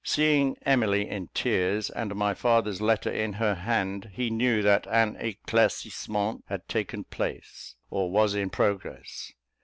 Seeing Emily in tears, and my father's letter in her hand, he knew that an éclaircissement had taken place, or was in progress.